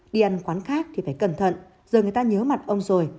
đi ăn quán khác thì phải cẩn thận giờ người ta nhớ mặt ông rồi